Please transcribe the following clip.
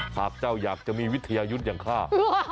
หากเจ้าอยากจะมีวิทยายุทธ์อย่างข้า